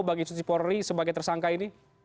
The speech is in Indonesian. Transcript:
bagi institusi polri sebagai tersangka ini